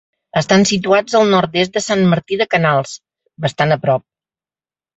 Estan situats al nord-est de Sant Martí de Canals, bastant a prop.